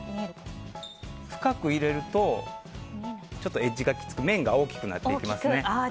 深く入れるとエッジがきつくなって面が大きくなってきますね。